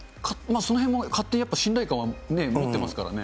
そのへんも勝手に信頼感は持ってますからね。